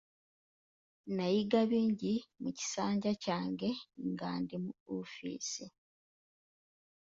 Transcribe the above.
Nayiga bingi mu kisanja kyange nga ndi mu woofiisi.